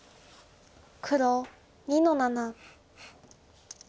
黒２の七。